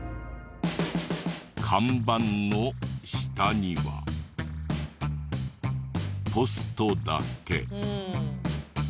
看板の下にはポストだけ。